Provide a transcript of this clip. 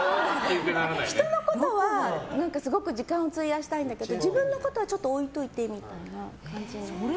人のことはすごく時間を費やしたいんだけど自分のことはちょっと置いておいてみたいな。